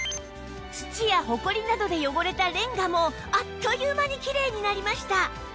土やホコリなどで汚れたレンガもあっという間にきれいになりました